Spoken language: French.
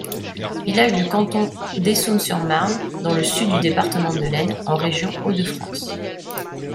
Village du canton d'Essômes-sur-Marne, dans le Sud du département de l'Aisne, en région Hauts-de-France.